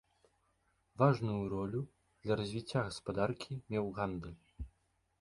Важную ролю для развіцця гаспадаркі меў гандаль.